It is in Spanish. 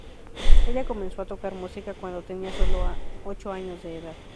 Ella comenzó a tocar música cuando tenía solo ocho años de edad.